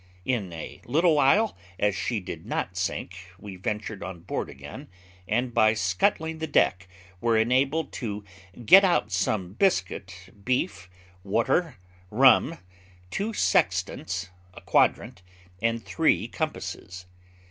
In a little while, as she did not sink, we ventured on board again, and, by scuttling the deck, were enabled to get out some biscuit, beef, water, rum, two sextants, a quadrant, and three compasses.